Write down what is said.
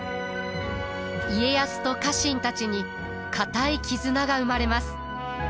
家康と家臣たちに固い絆が生まれます。